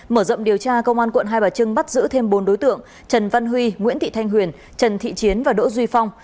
mở rộng điều tra công an quận hai bà trưng bắt giữ thêm bốn đối tượng trần văn huy nguyễn thị thanh huyền trần thị chiến và đỗ duy phong